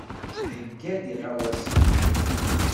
Theyya-d iɣawasen.